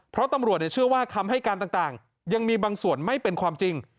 เพราะตำรวจเชื่อว่าคำให้การต่างยังมีบางส่วนไม่เป็นความจริง